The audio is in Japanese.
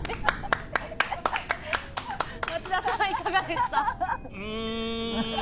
町田さん、いかがでした？